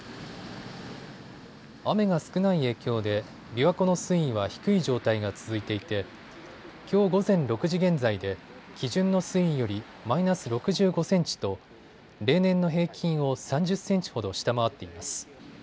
雨が少ない影響でびわ湖の水位は低い状態が続いていてきょう午前６時現在で基準の水位よりマイナス６５センチと、例年の平均を３０センチほど下回っています。